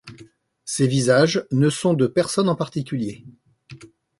Ces visages ne sont de personne en particulier.